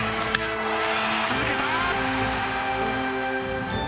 続けた！